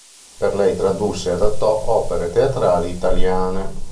Per lei tradusse e adattò opere teatrali italiane.